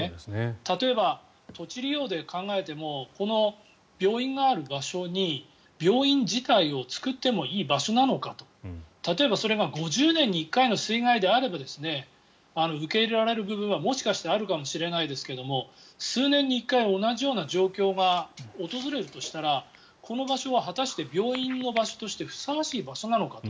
例えば、土地利用で考えても病院がある場所に、病院自体を作ってもらって例えば５０年に１回の水害であれば受け入れられる部分はもしかしてあるかもしれないですが数年に１回同じような状況が訪れるとしたらこの場所は果たして病院の場所としてふさわしい場所なのかと。